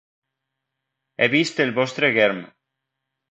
he vist el vostre germ